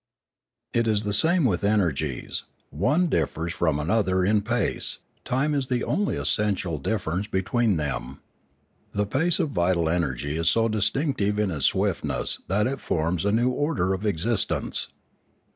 It is the same with energies; one differs from another in pace; time is the only essential difference between them. The pace of vital energy is so distinctive in its swiftness that it forms a new order of existence.